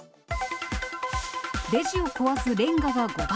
レジを壊すレンガが誤爆。